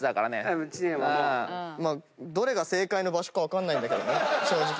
どれが正解の場所か分かんないんだけどね正直。